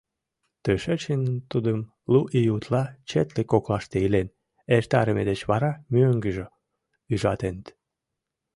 Тышечын тудым лу ий утла четлык коклаште илен эртарыме деч вара мӧҥгыжӧ ужатеныт.